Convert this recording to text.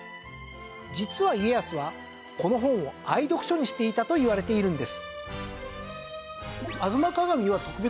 実は家康はこの本を愛読書にしていたといわれているんです。